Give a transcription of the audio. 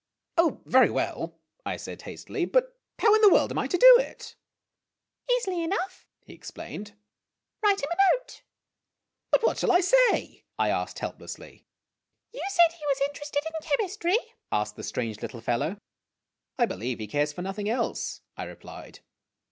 " Oh, very well," I said hastily ;" but how in the world am I to do it ?"" Easily enough !' he explained ;" write him a note !'" But what shall I say? " I asked helplessly. "You said he was interested in chemistry?" asked the strange little fellow. " I believe he cares for nothing else," I replied.